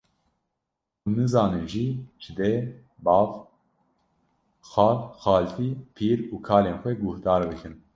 hûn nizanin jî ji dê, bav, xal, xaltî, pîr û kalên xwe guhdar bikin